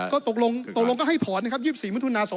ก็ตกลงก็ให้ถอนนะครับ๒๔มิถุนายน๒๑๖๔